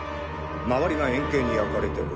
周りが円形に焼かれてる。